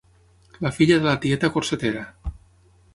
La filla de la tieta corsetera.